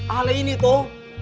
ahle ini tuh